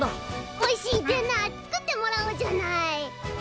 おいしいデナー作ってもらおうじゃない。